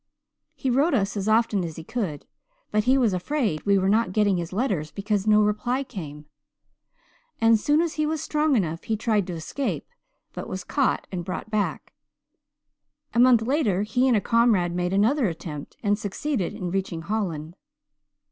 He wrote us as often as he could but he was afraid we were not getting his letters because no reply came. As soon as he was strong enough he tried to escape, but was caught and brought back; a month later he and a comrade made another attempt and succeeded in reaching Holland.